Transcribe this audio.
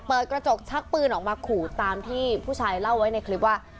เปิดกระจกชักปืนออกมาขู่ตามที่ผู้ชายเล่าไว้ในคลิปว่า